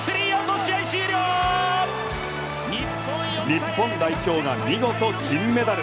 日本代表が見事銀メダル。